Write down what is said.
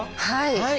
はい。